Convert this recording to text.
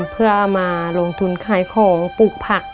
เพื่อเอามาลงทุนขายของปลูกผัก